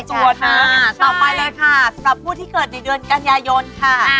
ต่อไปเลยค่ะสำหรับผู้ที่เกิดในเดือนกันยายนค่ะ